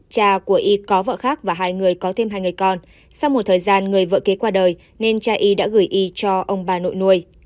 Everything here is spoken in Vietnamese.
cha của y có vợ khác và hai người có thêm hai người con sau một thời gian người vợ kế qua đời nên cha y đã gửi y cho ông bà nội nuôi